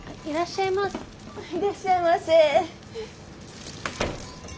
いらっしゃいませ。